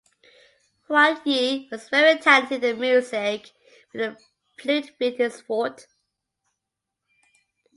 Huan Yi was very talented in music with the flute being his forte.